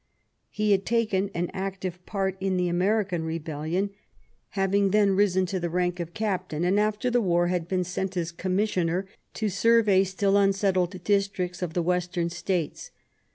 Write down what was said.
He had taken an active part in the American rebellion, having then risen to the LIFE WITH IMLAY. 123 rank of captain, and, after the war, had been sent as commissioner to survey still unsettled districts of the western States.